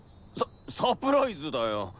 ササプライズだよ。